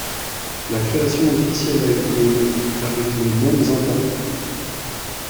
La création officielle a eu lieu le avec les mêmes interprètes.